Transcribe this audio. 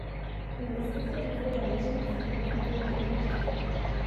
Elle est spécialisée dans le génie civil et l'hydraulique.